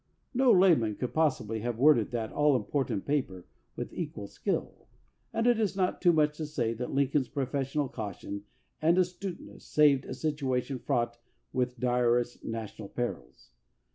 No layman could possibly have worded that all important paper with equal skill, and it is not too much to say that Lincoln's professional caution and astuteness saved a situation fraught with direst national perils.